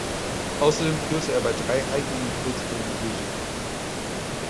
Außerdem führte er bei drei eigenen Kurzfilmen Regie.